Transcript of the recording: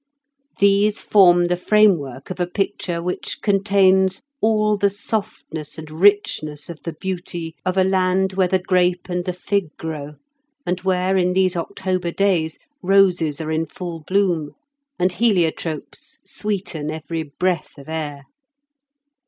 These form the framework of a picture which contains all the softness and richness of the beauty of a land where the grape and the fig grow, and where in these October days roses are in full bloom, and heliotropes sweeten every breath of air.